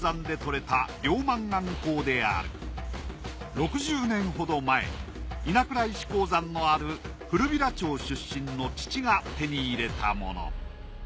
６０年ほど前稲倉石鉱山のある古平町出身の父が手に入れたもの